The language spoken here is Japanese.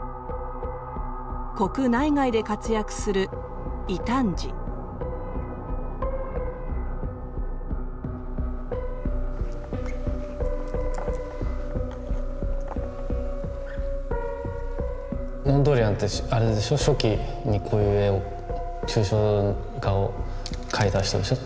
国内外で活躍する異端児モンドリアンってあれでしょ初期にこういう絵を抽象画を描いた人でしょ。